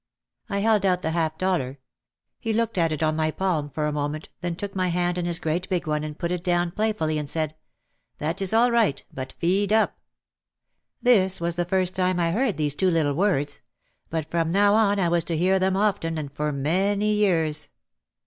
I held out the half dollar. He looked at it on my palm for a moment, then took my hand in his great big one and put it down play fully and said, "That is all right. But 'feed up/ " This was the first time I heard these two little words. But from now on I was to hear them often and for many years.